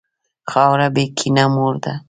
خاوره بېکینه مور ده.